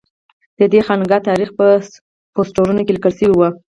ددې خانقا تاریخ په پوسټرونو کې لیکل شوی و.